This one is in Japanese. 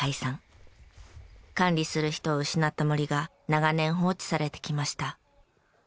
管理する人を失った森が長年放置されてきました。